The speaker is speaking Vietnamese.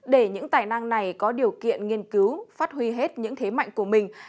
để những tài năng này có điều kiện nghiên cứu phát huy hết những thế mạnh của mình